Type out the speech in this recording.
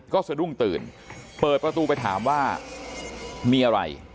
ก็สะดุ้งตื่นเปิดประตูไปถามว่ามีอะไร